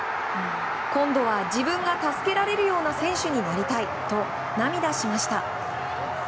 今度は自分が助けられるような選手になりたいと涙しました。